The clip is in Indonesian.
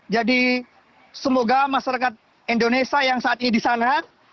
jadi semoga masyarakat indonesia yang saat ini di sana